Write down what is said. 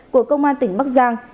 của công an tỉnh bắc giang